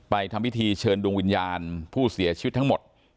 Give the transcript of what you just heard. ทำพิธีเชิญดวงวิญญาณผู้เสียชีวิตทั้งหมด